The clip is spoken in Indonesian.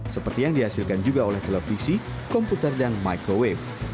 seperti yang dihasilkan juga oleh televisi komputer dan microwave